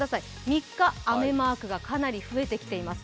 ３日、雨マークがかなり増えてきています。